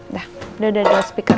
udah udah liat speaker